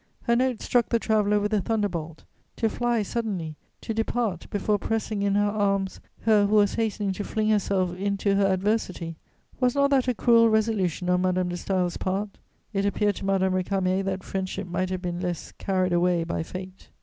Her note struck the traveller with a thunder bolt: to fly suddenly, to depart before pressing in her arms her who was hastening to fling herself into her adversity, was not that a cruel resolution on Madame de Staël's part? It appeared to Madame Récamier that friendship might have been less "carried away by fate."